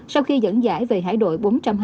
sau khi dẫn dãi về hải đội bốn trăm hai mươi một